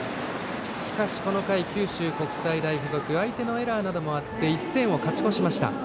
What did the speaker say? しかしこの回、九州国際大付属相手のエラーなどもあって１点を勝ち越しました。